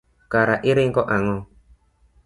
Kare iringo ang'o.